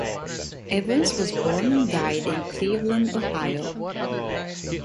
Evans was born and died in Cleveland, Ohio.